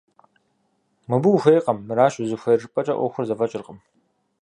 Мобы ухуейкъым, мыращ узыхуейр жыпӏэкӏэ ӏуэхур зэфӏэкӏыркъым.